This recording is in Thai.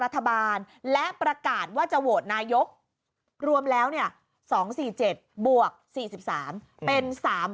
รัฐบาลและประกาศว่าจะโหวตนายกรวมแล้ว๒๔๗บวก๔๓เป็น๓๐๐